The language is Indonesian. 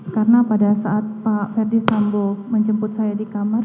karena pada saat pak ferdis sambo menjemput saya di kamar